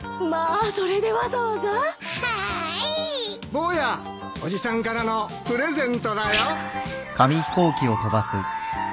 坊やおじさんからのプレゼントだよ。